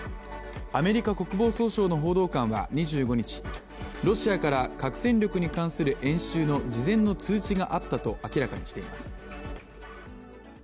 アメリカ国防総省の報道官は２５日、ロシアから核戦力に関する演習の事前の通知があったと明らかにしています。